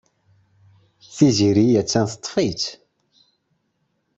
Tiziri attan teḍḍef-itt.